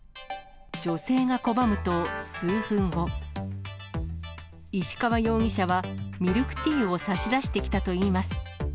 女性がこばむと、数分後、石川容疑者はミルクティーを差し出してきたといいます。